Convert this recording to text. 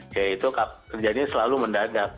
ya itu terjadinya selalu mendadak